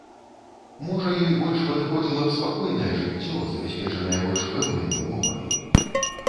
Можа, ёй больш падыходзіла б спакойнае жыццё, забяспечанае больш пэўнымі ўмовамі?